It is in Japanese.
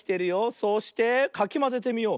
そしてかきまぜてみよう。